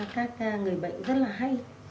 các người bệnh rất là hay